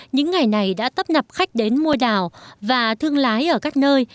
những ngày này đã tấp nập khách đến mua đảo và thương lái ở các nơi